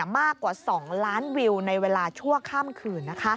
มากกว่า๒ล้านวิวในเวลาชั่วข้ามคืน